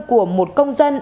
của một công dân